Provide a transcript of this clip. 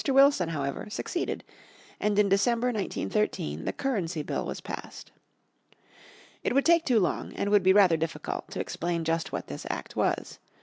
Wilson, however, succeeded, and in December, 1913, the Currency Bill was passed. It would take too long, and would be rather difficult, to explain just what this Act was.